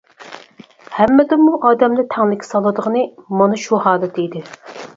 ھەممىدىنمۇ ئادەمنى تەڭلىككە سالىدىغىنى مانا شۇ ھالىتى ئىدى.